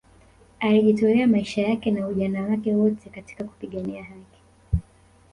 alijitolea maisha yake na ujana wake wote katika kupigania haki